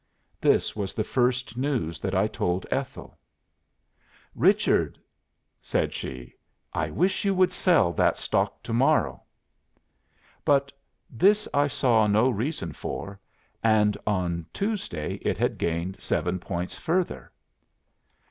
This was the first news that I told Ethel." "'Richard,' said she, 'I wish you would sell that stock to morrow.'" "But this I saw no reason for; and on Tuesday it had gained seven points further.